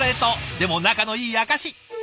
でも仲のいい証し。